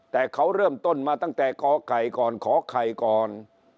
แต่เขาเริ่มต้นมาตั้งแต่กไก่ก่อนขอไข่ก่อน